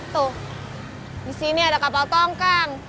tuh di sini ada kapal tongkang